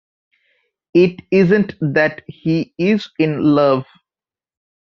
It isn't that he is in love.